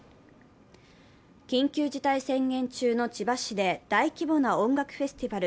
緊急事態宣言中の千葉市で大規模な音楽フェスティバル